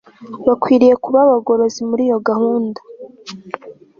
bakwiriye kuba abagorozi muri iyo gahunda